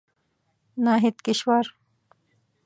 ناهيد کشور